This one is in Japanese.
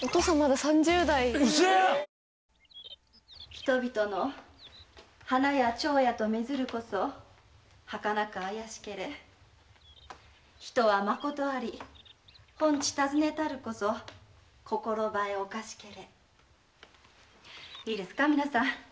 「人々の花や蝶やとめづるこそはかなくあやしけれ」「人はまことあり本地たずねたるこそ心映えおかしけれ」いいですかみなさん。